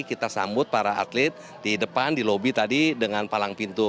kita sambut para atlet di depan di lobi tadi dengan palang pintu